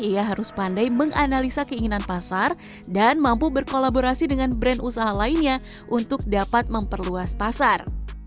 ia harus pandai menganalisa keinginan pasar dan mampu berkolaborasi dengan brand usaha lainnya untuk dapat memperluas pasar